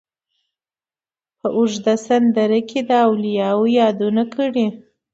په اوږده سندره کې یې د اولیاوو یادونه کړې.